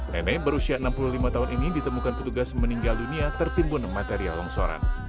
nenek berusia enam puluh lima tahun ini ditemukan petugas meninggal dunia tertimbun material longsoran